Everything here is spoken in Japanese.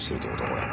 これ。